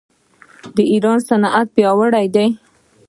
د ایران صنعت پیاوړی دی.